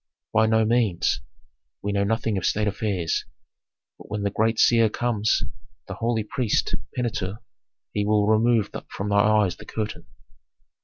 "By no means. We know nothing of state affairs. But when the great seer comes, the holy priest Pentuer, he will remove from thy eyes the curtain."